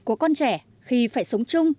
của con trẻ khi phải sống chung